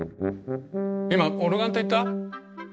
今オルガンって言った？